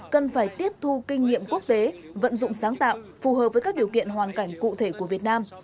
cần phải tiếp thu kinh nghiệm quốc tế vận dụng sáng tạo phù hợp với các điều kiện hoàn cảnh cụ thể của việt nam